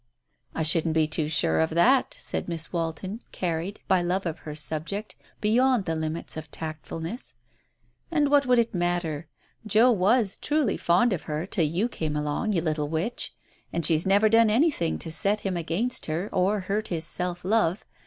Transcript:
"I shouldn't be too sure of that," said Miss Walton, carried, by love of her subject, beyond the limits of tactfulness. "And what would it matter? Joe was truly fond of her till you came along, you little witch ! And she's never done anything to set him against her or hurt his self love.